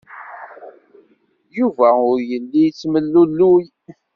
Yuba ur yelli yettemlelluy.